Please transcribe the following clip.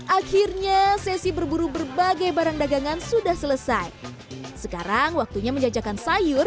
akhirnya sesi berburu berbagai barang dagangan sudah selesai sekarang waktunya menjajakan sayur